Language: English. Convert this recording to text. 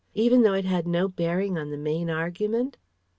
even though it had no bearing on the main argument?..."